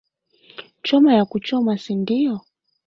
Choma ya kuchoma si ndio